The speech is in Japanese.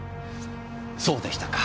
そうでしたか。